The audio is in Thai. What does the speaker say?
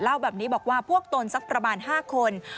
เล่าแบบนี้บอกว่าพวกตนสักประมาณ๕คน